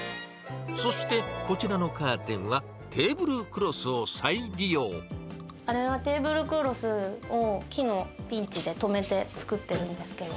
そしてこちらのカーテンは、あれはテーブルクロスを、木のピンチで留めて作ってるんですけど。